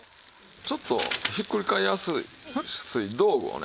ちょっとひっくり返しやすい道具をね。